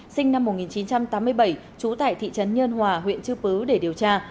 sinh năm một nghìn chín trăm tám mươi bảy trú tại thị trấn nhân hòa huyện chư pứ để điều tra